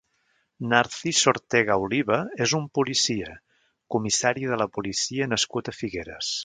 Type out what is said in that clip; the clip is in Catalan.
Narciso Ortega Oliva és un policia, comissari de la Policia nascut a Figueres.